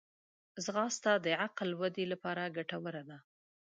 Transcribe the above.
ځغاسته د عقل ودې لپاره ګټوره ده